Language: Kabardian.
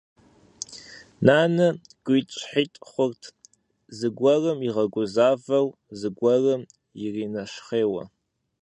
Нанэ гуитӀщхьитӀ хъурт, зыгуэрым иригузавэу, зыгуэрым иринэщхъейуэ.